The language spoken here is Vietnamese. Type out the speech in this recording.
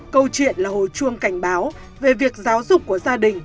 câu chuyện là hồi chuông cảnh báo về việc giáo dục của gia đình